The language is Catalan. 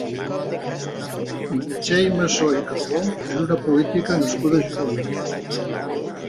Meritxell Masó i Carbó és una política nascuda a Girona.